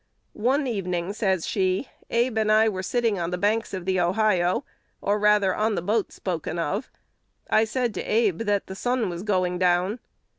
"One evening," says she, "Abe and I were sitting on the banks of the Ohio, or rather on the boat spoken of: I said to Abe that the sun was going down.